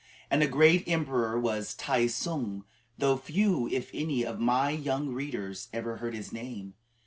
And a great emperor was Tai tsung, though few, if any, of my young readers ever heard his name.